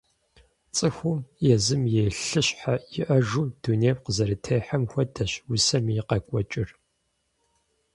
ЦӀыхум езым и лъыщхьэ иӀэжу дунейм къызэрытехьэм хуэдэщ усэми и къэкӀуэкӀэр.